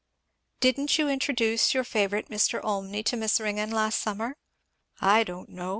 "Didn't you introduce your favourite Mr. Olmney to Miss Ringgan last summer? I don't know!